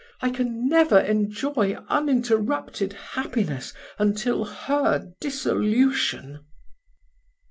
I can never enjoy uninterrupted happiness until her dissolution."